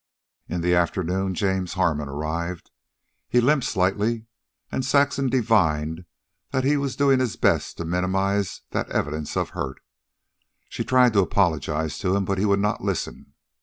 In the afternoon James Harmon arrived. He limped slightly, and Saxon divined that he was doing his best to minimize that evidence of hurt. She tried to apologize to him, but he would not listen.